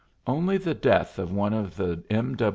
Only the death of one of the M.